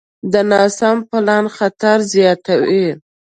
د ناسم پلان خطر زیاتوي.